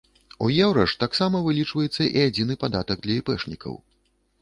У еўра ж таксама вылічваецца і адзіны падатак для іпэшнікаў.